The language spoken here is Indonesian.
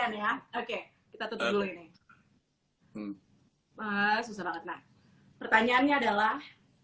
nah pertanyaannya adalah